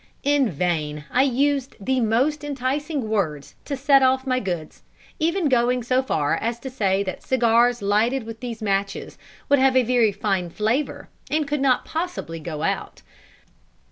In vain I used the most enticing words to set off my goods, even going so far as to say that cigars lighted with these matches would have a very much finer flavour, and could not possibly go out.